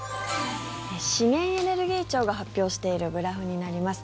資源エネルギー庁が発表しているグラフになります。